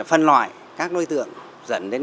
phân loại các đối tượng dẫn đến